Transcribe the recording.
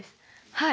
はい。